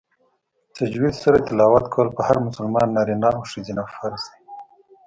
تجوید سره تلاوت کول په هر مسلمان نارینه او ښځینه فرض دی